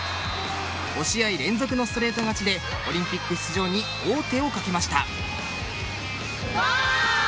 ５試合連続のストレート勝ちでオリンピック出場に王手をかけました。